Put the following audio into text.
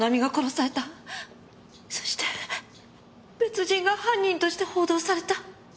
そして別人が犯人として報道された。